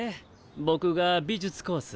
僕が美術コース。